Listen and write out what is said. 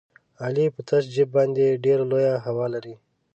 علي په تش جېب باندې ډېره لویه هوا لري.